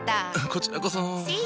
こちらこそ。